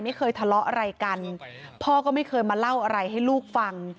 ไม่เคยทะเลาะอะไรกันพ่อก็ไม่เคยมาเล่าอะไรให้ลูกฟัง